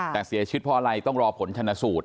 แต่เสียชีวิตเพราะอะไรต้องรอผลชนสูตร